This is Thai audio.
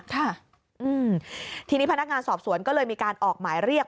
ค่ะอืมทีนี้พนักงานสอบสวนก็เลยมีการออกหมายเรียก